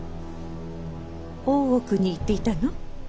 大奥に行っていたの？